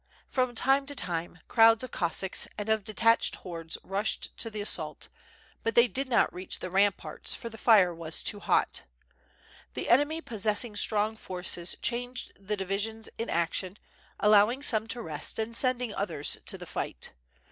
From time to time crowds of Cossacks and of detached hordes rushed to the assault, but they did not reach the ram parts, for the fire was too hot. The enemy possessing strong forces changed the divisions in action, allowing some to rest and sending others to the fight.